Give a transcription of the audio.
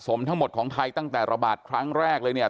ทั้งหมดของไทยตั้งแต่ระบาดครั้งแรกเลยเนี่ย